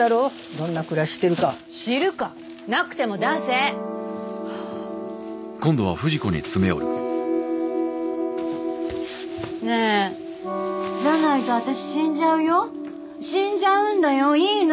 どんな暮らししてるか知るかなくても出せねえじゃないと私死んじゃうよ死んじゃうんだよいいの？